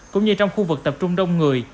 cũng như trong khu vực tập trung đông người